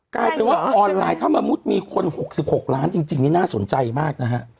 กลายเป็นว่าออนไลน์ถ้าสมมุติมีคน๖๖ล้านจริงนี่น่าสนใจมากนะฮะ